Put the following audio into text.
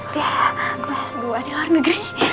tiap kelas dua di luar negeri